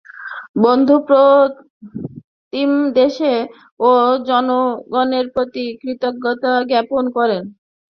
বন্ধুপ্রতিম দেশ ও জনগণের প্রতি কৃতজ্ঞতা জ্ঞাপন করেন।